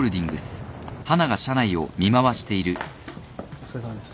お疲れさまです。